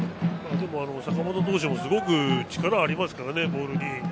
でも、坂本投手もすごく力ありますから、ボールに。